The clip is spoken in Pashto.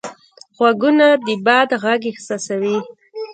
غوږونه د باد غږ احساسوي